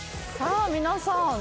さあ皆さん。